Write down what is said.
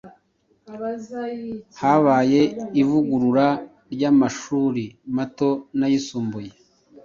habaye ivugurura ry'amashuri mato n'ayisumbuye